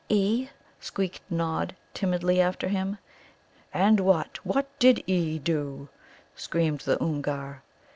"'E,'" squeaked Nod timidly after him. "And what what what did 'E' do?" screamed the Oomgar.